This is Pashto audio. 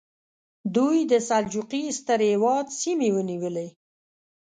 دوی د سلجوقي ستر هېواد سیمې ونیولې.